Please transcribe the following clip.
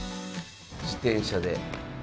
自転車で。